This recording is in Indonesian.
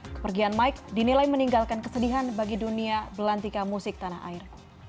kepergian mike dinilai meninggalkan kesedihan bagi dunia belantika musik tanah air